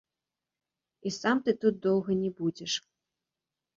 І сам ты тут доўга не будзеш.